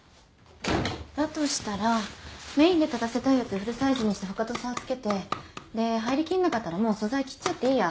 だとしたらメインで立たせたいやつフルサイズにして他と差をつけてで入りきんなかったらもう素材切っちゃっていいや。